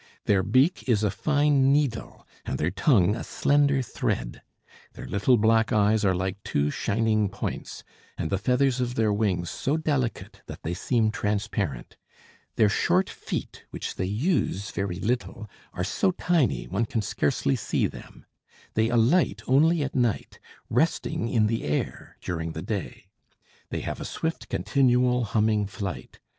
Their beak is a fine needle and their tongue a slender thread. Their little black eyes are like two shining points, and the feathers of their wings so delicate that they seem transparent. Their short feet, which they use very little, are so tiny one can scarcely see them. They alight only at night, resting in the air during the day. They have a swift continual humming flight.